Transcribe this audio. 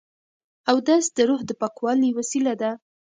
اودس د روح د پاکوالي وسیله ده.